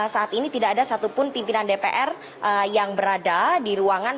saat ini tidak ada satupun pimpinan dpr yang berada di ruangan